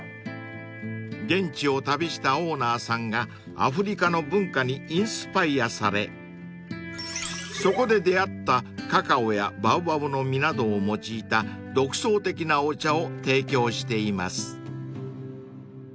［現地を旅したオーナーさんがアフリカの文化にインスパイアされそこで出合ったカカオやバオバブの実などを用いた独創的なお茶を提供しています］